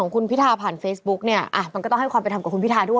คุณพิธาผ่านเฟซบุ๊กเนี่ยมันก็ต้องให้ความเป็นธรรมกับคุณพิทาด้วย